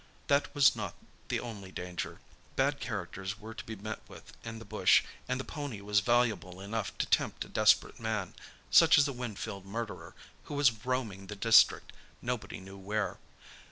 That was not the only danger. Bad characters were to be met with in the bush and the pony was valuable enough to tempt a desperate man—such as the Winfield murderer, who was roaming the district, nobody knew where.